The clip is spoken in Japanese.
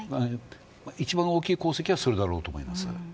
一番大きい功績はそれだと思います。